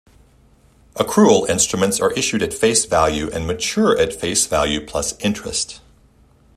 Accrual instruments are issued at face value and mature at face value plus interest.